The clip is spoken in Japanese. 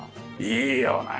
いいよねえ！